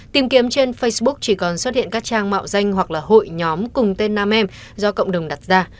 tìm kiếm trên facebook chỉ còn xuất hiện các trang mạo danh hoặc là hội nhóm cùng tên nam em do cộng đồng đặt ra